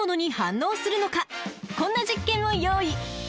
［こんな実験を用意］